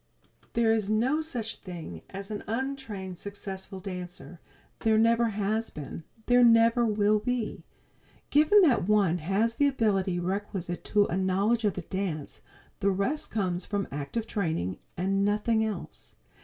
There is no such thing as an untrained successful dancer; there never has been; there never will be. Given that one has the ability requisite to a knowledge of the dance, the rest comes from active training, and nothing else.